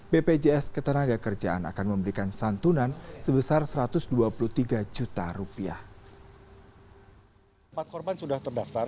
bpjs ketenaga kerjaan akan memberikan santunan sebesar satu ratus dua puluh tiga juta rupiah